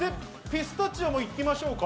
ピスタチオも行きましょうか？